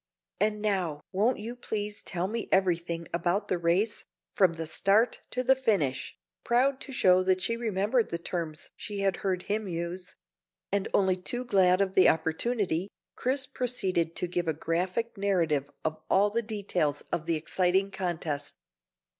"And now won't you please tell me everything about the race, from the start to the finish," proud to show that she remembered the terms she had heard him use; and only too glad of the opportunity, Chris proceeded to give a graphic narrative of all the details of the exciting contest.